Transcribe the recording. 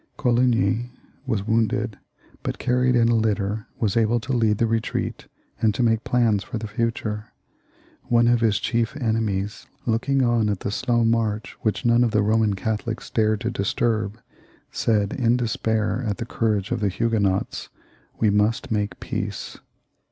Coligny was wounded, but, carried in a litter, was able to lead the retreat and to make plans for the future. One of his chief enemies, looking on at the slow march which none of the Boman Catholics dared to disturb, said, in despair at .the courage of the Huguenots, " We must make peace."